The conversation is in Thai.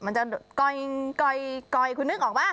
มันจะกอยกอยกอยคุณนึกออกปะ